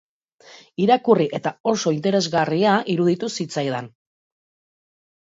Irakurri eta oso interesgarria iruditu zitzaidan.